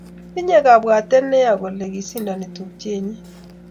Tindo kabwatet ne yea kole kisindoni tupchet nyi